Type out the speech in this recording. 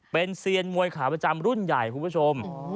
เป็นเซียนมวยขาประจำรุ่นใหญ่ครับ